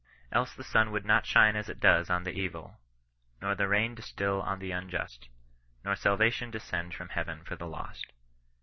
Else the sun would not shine as it does on the evil, nor the rain distil on the unjust, nor salvation de scend from heaven for the lost.